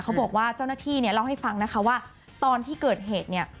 บอกว่าเจ้าหน้าที่เนี่ยเล่าให้ฟังนะคะว่าตอนที่เกิดเหตุเนี่ย